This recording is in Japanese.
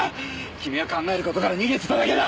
君は考える事から逃げてただけだ。